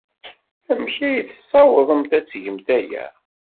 Amek ay tessawḍemt ad tgemt aya?